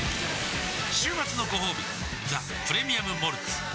週末のごほうび「ザ・プレミアム・モルツ」わぁ！